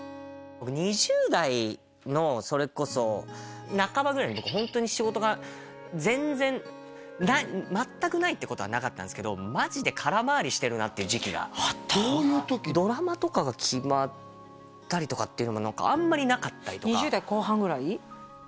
僕２０代のそれこそ半ばぐらいに僕ホントに仕事が全然全くないってことはなかったんですけどマジで空回りしてるなっていう時期がドラマとかが決まったりとかっていうのもあんまりなかったりとか２０代後半ぐらい？